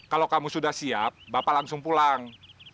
kalau kamu sudah siap bapak langsung pulang